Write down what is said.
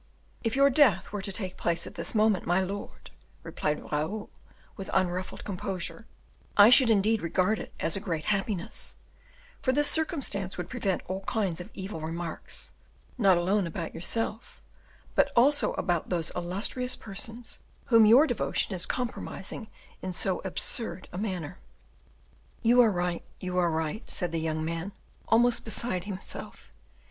"If your death were to take place at this moment, my lord," replied Raoul, with unruffled composure, "I should, indeed, regard it as a great happiness, for this circumstance would prevent all kinds of evil remarks; not alone about yourself, but also about those illustrious persons whom your devotion is compromising in so absurd a manner." "You are right, you are right," said the young man, almost beside himself.